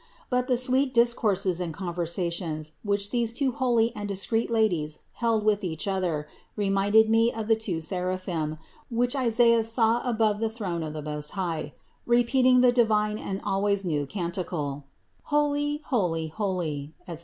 But the sweet discourses and conversations, which these two holy and discreet ladies held with each other, reminded me of the two seraphim, which Isaias saw above the throne of the Most High, repeating the divine and always new canticle: Holy, holy, etc.